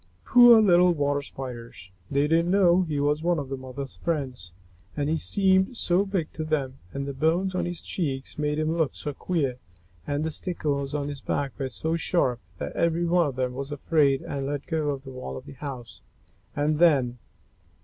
Poor little Water Spiders! They didn't know he was one of their mother's friends, and he seemed so big to them, and the bones on his cheeks made him look so queer, and the stickles on his back were so sharp, that every one of them was afraid and let go of the wall of the house and then!